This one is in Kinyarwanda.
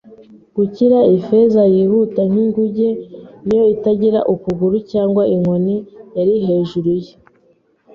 gukira. Ifeza, yihuta nk'inguge niyo itagira ukuguru cyangwa inkoni, yari hejuru ye